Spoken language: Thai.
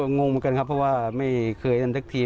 ค่ะงงมากินครับเพราะว่าไม่เคยเล่นชักที